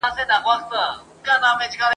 هر چا د خپلواکۍ په اړه خبري کولې.